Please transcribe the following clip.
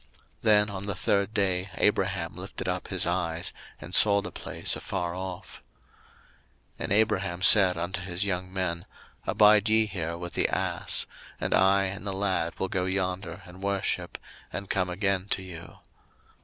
01:022:004 Then on the third day Abraham lifted up his eyes, and saw the place afar off. 01:022:005 And Abraham said unto his young men, Abide ye here with the ass; and I and the lad will go yonder and worship, and come again to you.